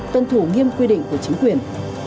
tuân thủ nghiêm quy định của chính quyền